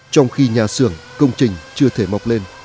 trong khi nhà xưởng công trình chưa thể mọc lên